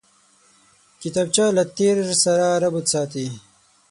کتابچه له تېر سره رابطه ساتي